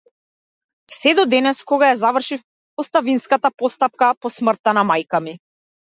Сѐ до денес, кога ја завршив оставинската постапка по смртта на мајка ми.